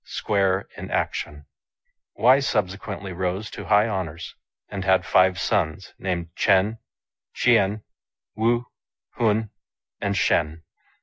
105 square in action" 1 *" Wei subsequently rose to high honours, and had five sons named Ch'en, Ch'ien, Wu, Hun, and Shen.